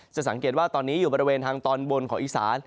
สังเกตว่าตอนนี้อยู่บริเวณทางตอนบนของอีสาน